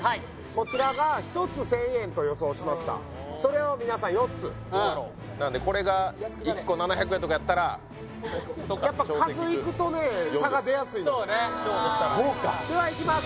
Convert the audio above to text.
こちらが１つ１０００円と予想しましたそれを皆さん４つうんなのでこれが１個７００円とかやったら調整きく４ですやっぱ数いくとね差が出やすいんですそうかではいきます